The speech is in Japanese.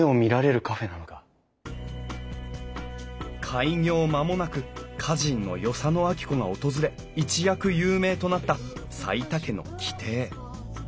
開業間もなく歌人の与謝野晶子が訪れ一躍有名となった齋田家の旗亭。